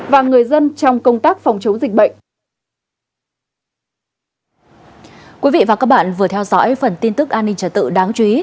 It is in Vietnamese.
và người dân trong công tác phòng chống dịch bệnh